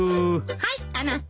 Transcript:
はいあなた。